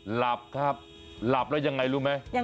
หลับครับหลับแล้วยังไงรู้ไหม